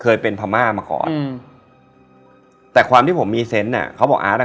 เคยเป็นพม่ามาก่อนอืมแต่ความที่ผมมีเซนต์อ่ะเขาบอกอาร์ตอ่ะ